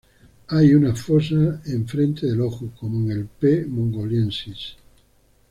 Hay una "fossa" en frente del ojo, como en el "P. mongoliensis".